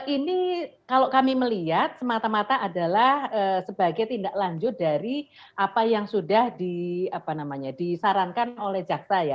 ini kalau kami melihat semata mata adalah sebagai tindak lanjut dari apa yang sudah disarankan oleh jaksa ya